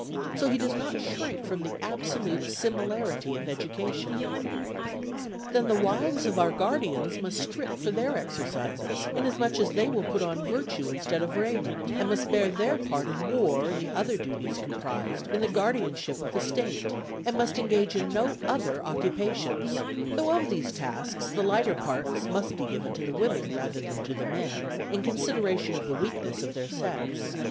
So he does not shrink from absolute similarity of education : Then the wives of our guardians must strip for their exercises, inasmuch as they will put on virtue instead of raiment, and must bear their part in war and the other duties comprised in the guardianship of the State, and must engage in no other occupations : though of these tasks the lighter parts must be given to the women rather than to the men, in consideration of the weakness of their sex.